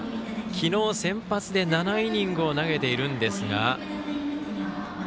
昨日、先発で７イニングを投げているんですが。